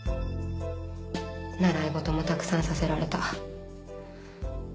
習い事もたくさんさせられた。